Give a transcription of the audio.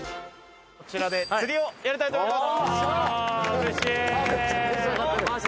こちらで釣りをやりたいと思います。